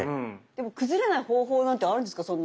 でも崩れない方法なんてあるんですか？